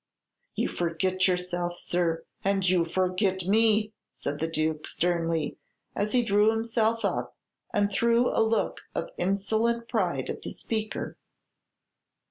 "You forget yourself, sir, and you forget me!" said the Duke, sternly, as he drew himself up, and threw a look of insolent pride at the speaker.